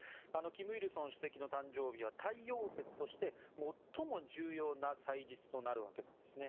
金日成主席の誕生日は太陽節として最も重要な祭日となるわけなんです。